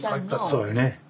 そうやね。